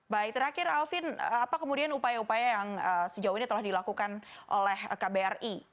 baik terakhir alvin apa kemudian upaya upaya yang sejauh ini telah dilakukan oleh kbri